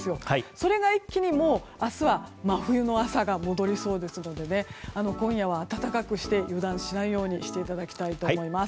それが一気に明日は真冬の朝が戻りそうですので今夜は温かくして油断しないようにしていただきたいと思います。